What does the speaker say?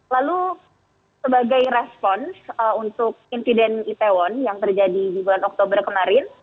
lalu sebagai respons untuk insiden itaewon yang terjadi di bulan oktober kemarin